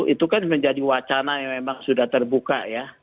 itu kan menjadi wacana yang memang sudah terbuka ya